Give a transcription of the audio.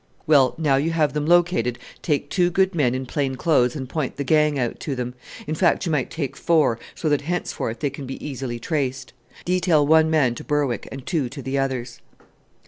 "Well, now you have them located, take two good men in plain clothes and point the gang out to them; in fact, you might take four, so that henceforth they can be easily traced. Detail one man to Berwick and two to the others."